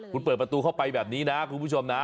คุณเปิดประตูเข้าไปแบบนี้นะคุณผู้ชมนะ